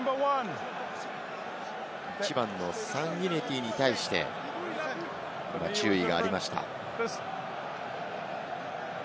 サンギネティに対して、注意がありました。